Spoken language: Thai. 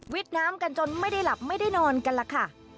ดน้ำกันจนไม่ได้หลับไม่ได้นอนกันล่ะค่ะ